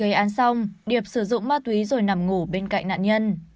gây án xong điệp sử dụng ma túy rồi nằm ngủ bên cạnh nạn nhân